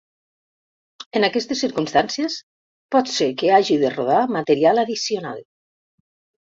En aquestes circumstàncies, pot ser que hagi de rodar material addicional.